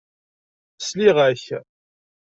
Sliɣ-ak.